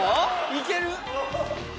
いける？